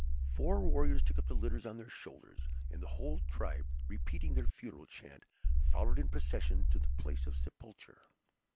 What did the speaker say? Four warriors took up the litters on their shoulders, and the whole tribe, repeating their funeral chant, followed in procession to the place of sepulture.